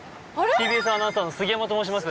ＴＢＳアナウンサーの杉山と申します